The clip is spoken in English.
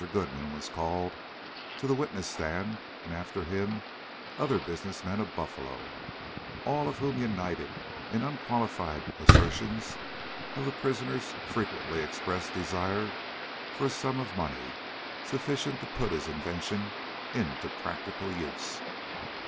Goodman was called to the witness stand, and, after him, other business men of Buffalo, all of whom united in unqualified assertions of the prisoner's frequently expressed desire for a sum of money sufficient to put his invention into practical use.